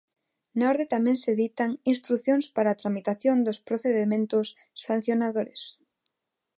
Na orde tamén se ditan instrucións para a tramitación dos procedementos sancionadores.